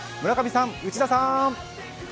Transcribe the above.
村上さん、内田さん。